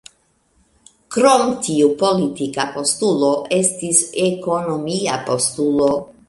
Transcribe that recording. Krom tiu politika postulo, estis ekonomia postulo.